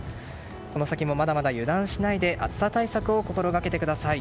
この先もまだまだ油断しないで暑さ対策を心掛けてください